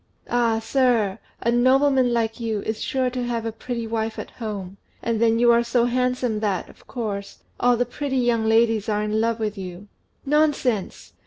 "Ah, sir, a nobleman like you is sure to have a beautiful wife at home; and then you are so handsome that, of course, all the pretty young ladies are in love with you." "Nonsense!